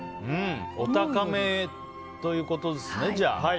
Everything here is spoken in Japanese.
お高めということですね、じゃあ。